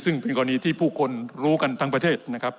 ซึ่งเป็นกรณีที่ผู้คนรู้กันทั้งประเทศนะครับ